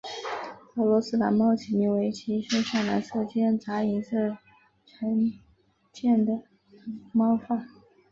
俄罗斯蓝猫起名为其身上蓝色间杂银色渐层的毛发。